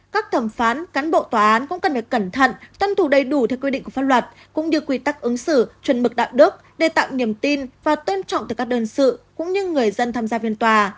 các thẩm phán cán bộ tòa án cũng cần phải cẩn thận tuân thủ đầy đủ theo quy định của pháp luật cũng như quy tắc ứng xử chuẩn mực đạo đức để tạo niềm tin và tôn trọng từ các đơn sự cũng như người dân tham gia phiên tòa